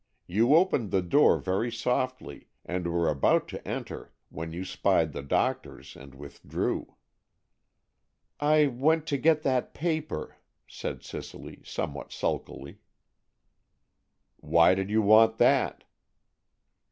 You opened the door very softly, and were about to enter, when you spied the doctors and withdrew." "I went to get that paper," said Cicely, somewhat sulkily. "Why did you want that?"